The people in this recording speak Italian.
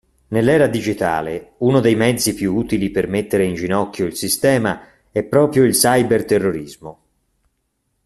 Nell'era digitale uno dei mezzi più utili per mettere in ginocchio il sistema è proprio il cyber-terrorismo.